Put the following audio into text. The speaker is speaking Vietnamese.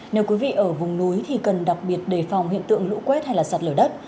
nếu quý vị ở vùng núi thì cần đặc biệt đề phòng hiện tượng lũ quét hay sạt lở đất